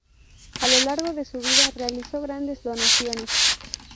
A lo largo de su vida realizó grandes donaciones.